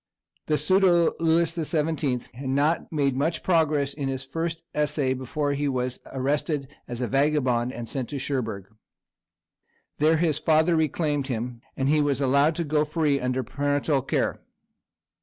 The pseudo Louis the Seventeenth had not made much progress in his first essay before he was arrested as a vagabond, and sent to Cherbourg. There his father reclaimed him, and he was allowed to go free under parental care.